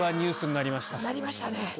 なりましたね。